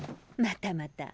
またまた。